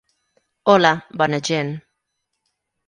Hola, bona gent.